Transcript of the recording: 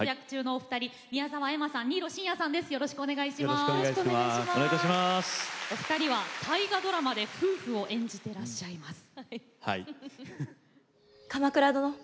お二人は大河ドラマで夫婦を演じていらっしゃいます。